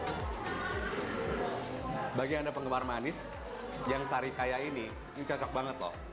hmm bagi anda penggemar manis yang sarikaya ini cocok banget loh